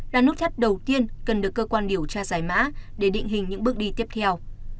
là nút thắt đầu tiên cần được cơ quan điều tra giải mã để định hình những bước đi tiếp theo